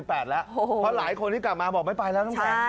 เพราะหลายคนที่กลับมาบอกไม่ไปแล้วน้ำแข็ง